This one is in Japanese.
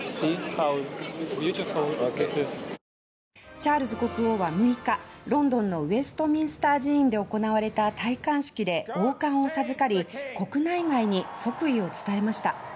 チャールズ国王は６日ロンドンのウェストミンスター寺院で行われた戴冠式で王冠を授かり国内外に即位を伝えました。